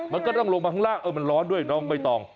มันก็ต้องลงมาข้างล่างเออมันร้อนด้วยน้องใบตอง